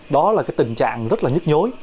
đó là cái tình trạng rất là nhức nhốt